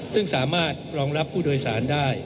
ซึ่งสามารถรองรับผู้โดยสารได้